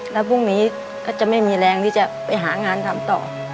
แล้วพรุ่งนี้ก็จะไม่มีแรงที่จะไปหางานทำต่อ